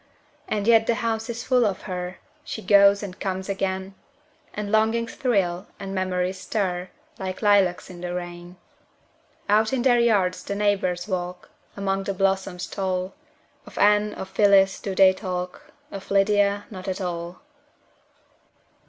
And yet the house is full of her; She goes and comes again; And longings thrill, and memories stir, Like lilacs in the rain. Out in their yards the neighbors walk, Among the blossoms tall; Of Anne, of Phyllis, do they talk, Of Lydia not at all.